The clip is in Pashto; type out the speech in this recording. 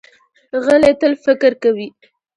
غلی، تل فکر کوي.